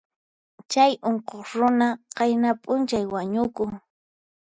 Chay unquq runa qayna p'unchay wañukun.